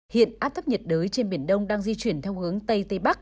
hiện áp thấp nhiệt đới trên biển đông đang di chuyển theo hướng tây tây bắc